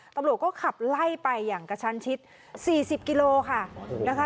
ตำรวจก็ขับไล่ไปอย่างกระชันชิด๔๐กิโลค่ะนะคะ